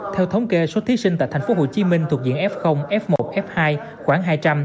theo thống kê số thí sinh tại tp hcm thuộc diện f f một f hai khoảng hai trăm linh